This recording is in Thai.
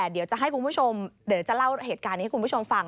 เดี๋ยวจะเล่าเหตุการณ์นี้ให้คุณผู้ชมฟัง